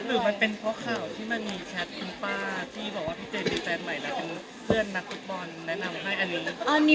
หรือมันเป็นเพราะข่าวที่มันมีแชทคุณป้าที่บอกว่าพี่เจมีแฟนใหม่แล้วเป็นเพื่อนนักฟุตบอลแนะนำให้อันนี้